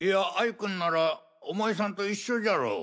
君ならお前さんと一緒じゃろう。